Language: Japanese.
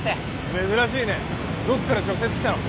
珍しいねドックから直接来たの？